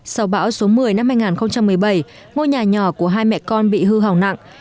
sau bão số một mươi năm hai nghìn một mươi bảy ngôi nhà nhỏ của hai mẹ con bị hư hỏng nặng